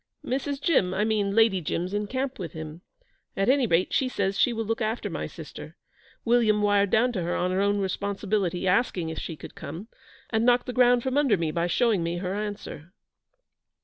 'Mrs. Jim I mean Lady Jim's in camp with him. At any rate, she says she will look after my sister. William wired down to her on her own responsibility, asking if she could come, and knocked the ground from under me by showing me her answer.'